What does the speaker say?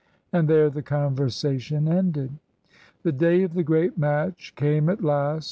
And there the conversation ended. The day of the great match came at last.